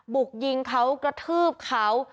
บุกยิงเขากระทืบเขา